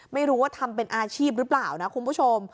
ไม่รู้ว่าทำเป็นอาชีพหรือเปล่านะคุณผู้ชม